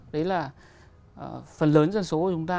đấy là phần lớn dân số của chúng ta